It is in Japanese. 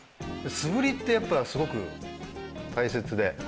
素振りってやっぱすごく大切で。